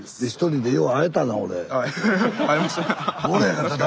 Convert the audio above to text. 会えました。